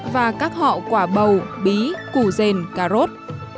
và các họ quả bầu bí củ rền cà rốt